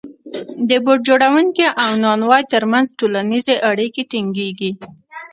د بوټ جوړونکي او نانوای ترمنځ ټولنیزې اړیکې ټینګېږي